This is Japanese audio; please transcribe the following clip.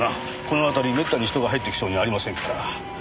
この辺りめったに人が入ってきそうにありませんから。